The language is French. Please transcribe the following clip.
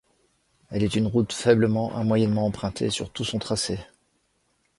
Elle est une route faiblement à moyennement empruntée sur tout son tracé.